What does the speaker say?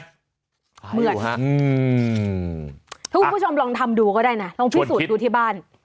เหมือนฮะทุกคุณผู้ชมลองทำดูก็ได้นะลองพิสูจน์ดูที่บ้าน